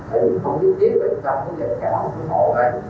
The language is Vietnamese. tại vì không chi tiết về tổ chức giảm xúc hội